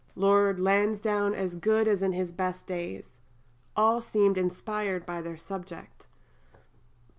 Lord Lansdowne as good as in his best days. All seemed inspired by their subject.